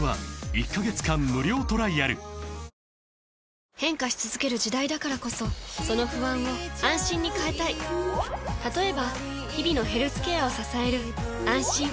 あ変化し続ける時代だからこそその不安を「あんしん」に変えたい例えば日々のヘルスケアを支える「あんしん」